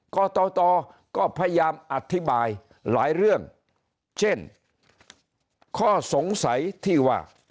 กตก็พยายามอธิบายหลายเรื่องเช่นข้อสงสัยที่ว่า